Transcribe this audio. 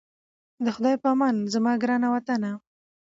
د خدای په امان زما ګرانه وطنه😞